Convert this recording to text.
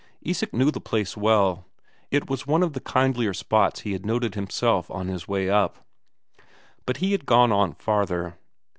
Isak knew the place well; it was one of the kindlier spots he had noted himself on his way up, but he had gone on farther.